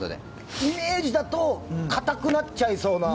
イメージだと硬くなっちゃいそうな。